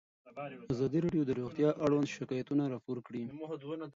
ازادي راډیو د روغتیا اړوند شکایتونه راپور کړي.